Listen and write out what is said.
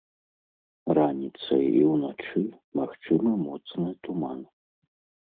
Раніцай і ўначы магчымы моцны туман.